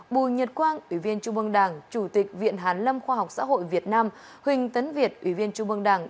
bùi nhật quang ủy viên trung ương đảng chủ tịch viện hàn lâm khoa học xã hội việt nam huỳnh tấn việt ủy viên trung mương đảng